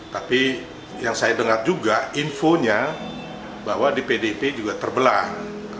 tapi yang saya dengar juga infonya bahwa di pdip juga terbelah